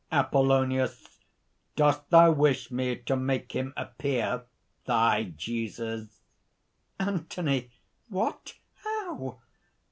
APOLLONIUS. "Dost thou wish me to make him appear, thy Jesus?" ANTHONY. "What? How!"